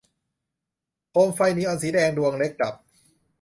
โคมไฟนีออนสีแดงดวงเล็กดับ